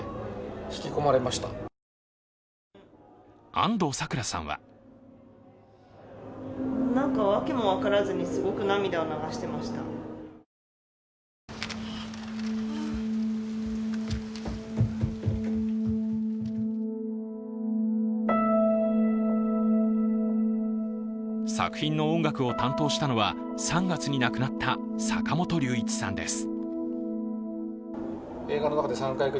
安藤サクラさんは作品の音楽を担当したのは３月に亡くなった坂本龍一さんです。